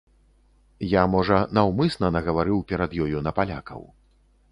Я, можа, наўмысна нагаварыў перад ёю на палякаў.